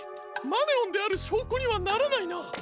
マネオンであるしょうこにはならないな。